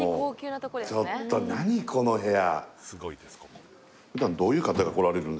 もうちょっと何この部屋